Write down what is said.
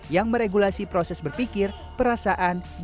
yang meregulasi proses berpikir perasaan dan penyakit